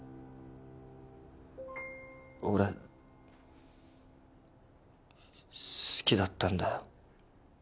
俺好きだったんだ。